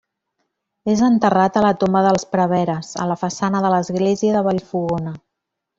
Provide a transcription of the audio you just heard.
És enterrat a la tomba dels preveres, a la façana de l'església de Vallfogona.